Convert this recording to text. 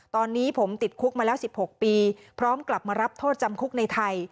ตอนนี้ผมติดคุกมาแล้ว๑๖ปีพร้อมกลับมารับโทษจำคุกในไทย